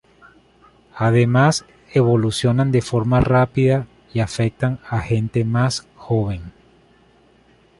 Además, evolucionan de forma rápida y afectan a gente más joven.